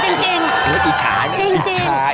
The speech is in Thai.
อิจฉาอิจฉา